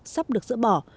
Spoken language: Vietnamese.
sẽ được giải bỏ